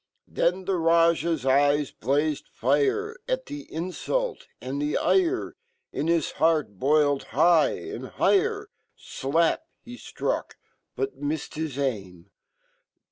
Then fhe Rajah's eyes blazed fire Atfhe infult, and fheire Inhis heart boiled high and higher. 51ap! he.flruck , but miffed his aim.